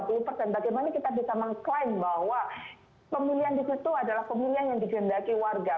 bagaimana kita bisa mengklaim bahwa pemilihan di situ adalah pemilihan yang digendaki warga